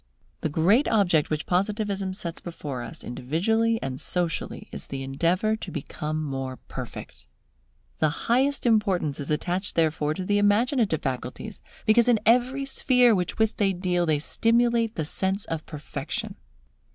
The great object which Positivism sets before us individually and socially, is the endeavour to become more perfect. The highest importance is attached therefore to the imaginative faculties, because in every sphere with which they deal they stimulate the sense of perfection.